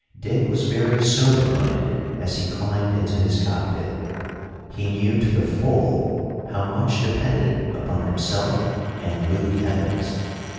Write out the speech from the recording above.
Dick was very sober minded as he climbed into his cockpit. He knew to the full how much depended upon himself and Luke Evans.